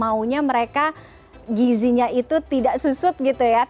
maunya mereka gizinya itu tidak susut gitu ya